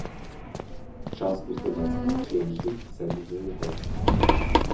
Час уздымаць келіхі за мінулы год.